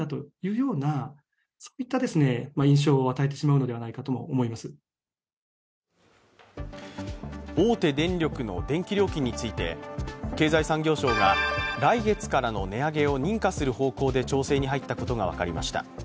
子供の権利保護に詳しい琉球大学の白木准教授は大手電力の電気料金について経済産業省が来月からの値上げを認可する方向で調整に入ったことが分かりました。